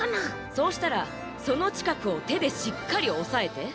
そうしたらそのちかくをてでしっかりおさえて。